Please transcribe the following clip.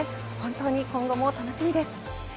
本当に今後も楽しみです。